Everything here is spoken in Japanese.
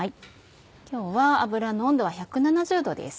今日は油の温度は１７０℃です。